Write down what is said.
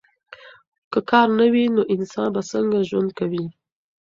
که کار نه وي نو انسان به څنګه ژوند کوي؟